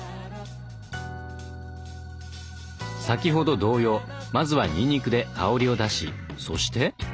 先ほど同様まずはにんにくで香りを出しそして？